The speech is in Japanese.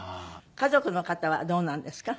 家族の方はどうなんですか？